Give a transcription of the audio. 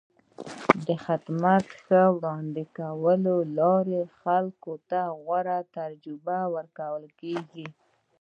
د خدمت ښې وړاندې کولو له لارې خلکو ته غوره تجربه ورکول کېږي.